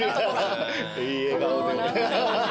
いい笑顔で。